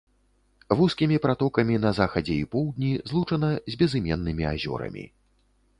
Вузкімі пратокамі на захадзе і поўдні злучана з безыменнымі азёрамі.